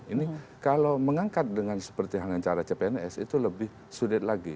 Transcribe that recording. ini kalau mengangkat dengan seperti hanya cara cpns itu lebih sulit lagi